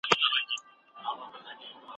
زياتره خلګ د پور اخيستلو توان نه لري.